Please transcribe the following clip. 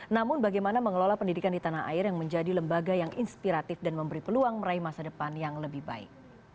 namun bagaimana mengelola pendidikan di tanah air yang menjadi lembaga yang inspiratif dan memberi peluang meraih masa depan yang lebih baik